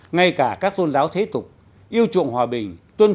ngay cả các tôn giáo thế tục yêu chuộng hòa bình tuân thù nhà nước